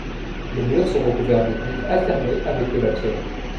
Les murs sont recouverts de briques alternées avec de la pierre.